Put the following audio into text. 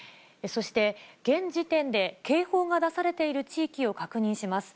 そして現時点で警報が出されている地域を確認します。